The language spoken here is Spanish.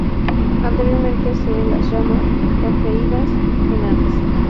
Anteriormente se las llamaba "Cefeidas Enanas".